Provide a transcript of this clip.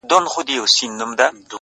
زمــا دزړه د ائينې په خاموشـۍ كي!